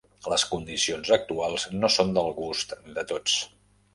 Les condicions actuals no són del gust de tots.